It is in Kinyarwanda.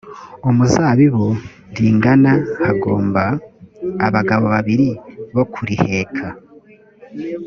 umuzabibu ringana hagomba abagabo babiri bo kuriheka